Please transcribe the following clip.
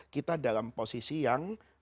kita dalam posisi yang